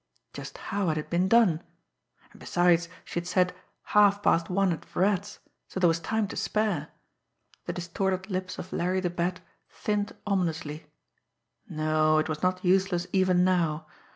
Just how had it been done? And besides, she had said, "half past one at Virat's," so there was time to spare. The distorted lips of Larry the Bat thinned ominously. No; it was not useless even now.